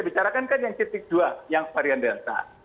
bicarakan kan yang titik dua yang varian delta